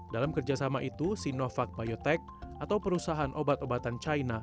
dalam kerjasama itu sinovac biotech atau perusahaan obat obatan china